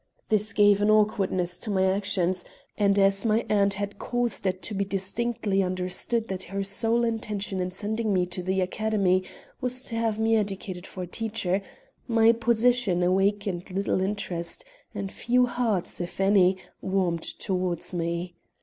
This gave an awkwardness to my actions, and as my aunt had caused it to be distinctly understood that her sole intention in sending me to the Academy was to have me educated for a teacher, my position awakened little interest, and few hearts, if any, warmed toward me.